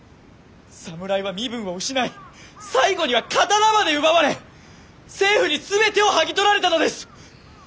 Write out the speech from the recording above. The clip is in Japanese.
侍は身分を失い最後には刀まで奪われ政府に全てを剥ぎ取られたのです！